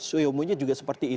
siu monyet juga seperti itu